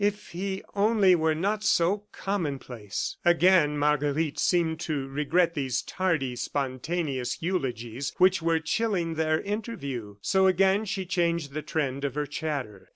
If he only were not so commonplace! ..." Again Marguerite seemed to regret these tardy spontaneous eulogies which were chilling their interview. So again she changed the trend of her chatter.